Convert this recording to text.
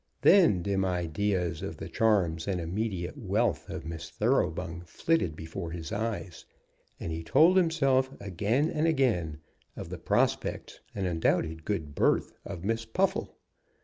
Then dim ideas of the charms and immediate wealth of Miss Thoroughbung flitted before his eyes, and he told himself again and again of the prospects and undoubted good birth of Miss Puffle.